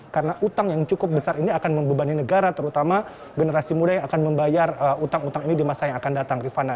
karena hutang yang cukup besar ini akan membebani negara terutama generasi muda yang akan membayar hutang hutang ini di masa yang akan datang rifana